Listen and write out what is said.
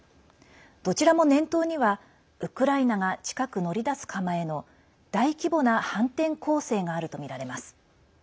どちらも念頭にはウクライナが近く乗り出す構えの大規模な反転攻勢があるとみられます。